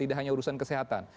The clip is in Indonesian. tidak hanya urusan kesehatan